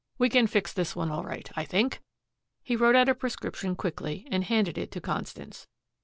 We can fix this one all right, I think." He wrote out a prescription quickly and handed it to Constance.